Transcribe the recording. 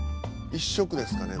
１色ですかね。